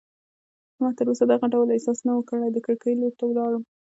ما تراوسه دغه ډول احساس نه و کړی، د کړکۍ لور ته ولاړم.